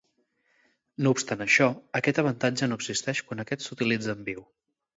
No obstant això, aquest avantatge no existeix quan aquest s'utilitza en viu.